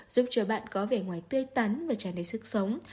giúp cho bạn có vẻ ngoài tươi tắn và tràn đầy sức sống